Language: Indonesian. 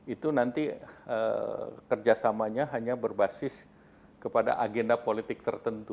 itu nanti kerjasamanya hanya berbasis kepada agenda politik tertentu